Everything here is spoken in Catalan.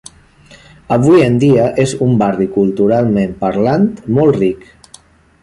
Avui en dia és un barri culturalment parlant, molt ric.